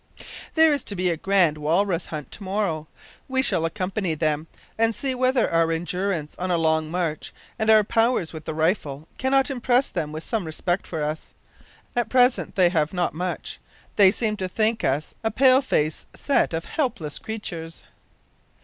"There is to be a grand walrus hunt to morrow. We shall accompany them, and see whether our endurance on a long march, and our powers with the rifle, cannot impress them with some respect for us. At present they have not much. They seem to think us a pale faced set of helpless creatures.